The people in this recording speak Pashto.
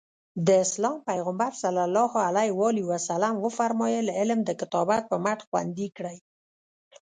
د اسلام پیغمبر ص وفرمایل علم د کتابت په مټ خوندي کړئ.